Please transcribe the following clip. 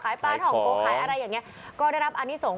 ปลาทองโกขายอะไรอย่างนี้ก็ได้รับอันนี้ส่ง